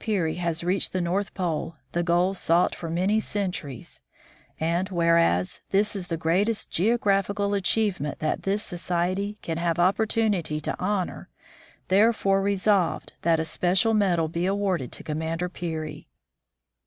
Peary has reached the North Pole, the goal sought for centuries, and WJiereas, this is the greatest geographical achievement that this society can have opportunity to honor, therefore Resolved, that a special medal be awarded to Commander Peary.